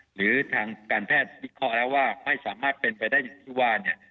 หรือทางการแพทย์วิเคราะห์แล้วว่าไม่สามารถเป็นไปได้อย่างที่ว่าเนี่ย